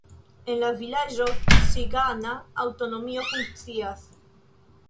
En la vilaĝo cigana aŭtonomio funkcias.